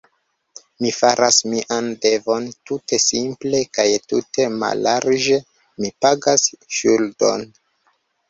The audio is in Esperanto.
Mi faras mian devon tute simple kaj tute mallarĝe; mi pagas ŝuldon.